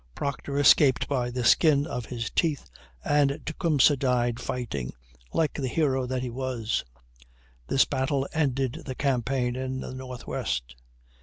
Proctor escaped by the skin of his teeth and Tecumseh died fighting, like the hero that he was. This battle ended the campaign in the Northwest.